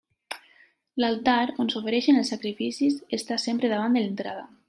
L'altar, on s'ofereixen els sacrificis, està sempre davant de l'entrada.